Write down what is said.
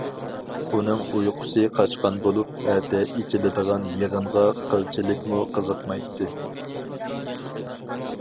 ئۇنىڭ ئۇيقۇسى قاچقان بولۇپ، ئەتە ئېچىلىدىغان يىغىنغا قىلچىلىكمۇ قىزىقمايتتى.